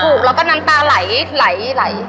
ถูกแล้วก็น้ำตาไหลไหล